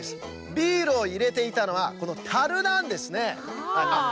ビールをいれていたのはこのたるなんですね。